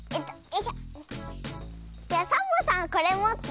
じゃあサボさんこれもって。